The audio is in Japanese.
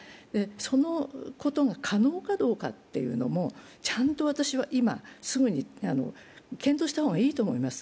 そのことが可能かどうかというのも、ちゃんと、私は今すぐに検討した方がいいと思います。